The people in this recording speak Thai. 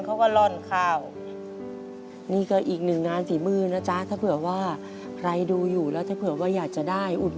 ข้างไหนนะข้างไหนนะพี่ปี๋ตรงข้างหรือหมด